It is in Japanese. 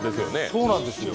そうなんですよ。